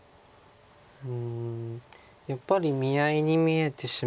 うんやっぱり見合いに見えてしまうので。